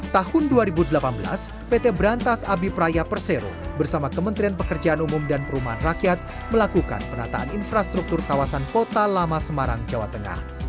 tahun dua ribu delapan belas pt berantas abipraya persero bersama kementerian pekerjaan umum dan perumahan rakyat melakukan penataan infrastruktur kawasan kota lama semarang jawa tengah